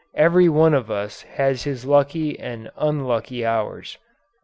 Every one of us has his lucky and unlucky hours."